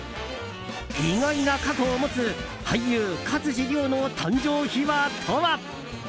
意外な過去を持つ俳優勝地涼の誕生秘話とは？